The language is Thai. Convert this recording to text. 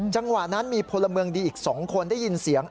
จังหวะนั้นมีพลเมืองดีอีก๒คนได้ยินเสียง